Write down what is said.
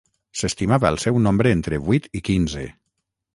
S'estimava el seu nombre entre vuit i quinze.